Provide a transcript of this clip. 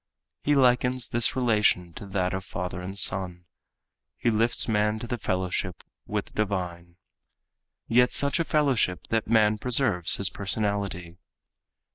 He likens this relation to that of father and son. He lifts man to the fellowship with the divine. Yet such a fellowship that man preserves his personality.